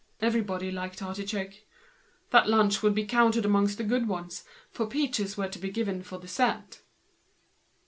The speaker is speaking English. Everybody liked artichoke. This lunch would be counted amongst the good ones, for peaches were to be given for dessert.